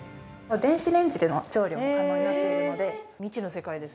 電子レンジでの調理が可能になったので。